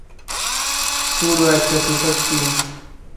পুরো একটা super team!